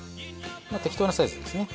適当なサイズですね。